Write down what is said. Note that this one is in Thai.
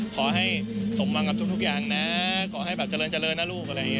ขอให้สมวงกับทุกอย่างนะขอให้แบบเจริญนะลูก